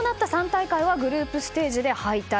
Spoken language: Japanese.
３大会はグループステージで敗退。